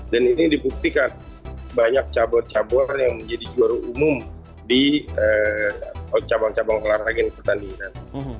dan ini dipuktikan banyak cabur cabur yang menjadi juara umum di cabang cabang olahraga dan pertandingan